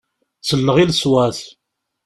Selleɣ i leṣwat.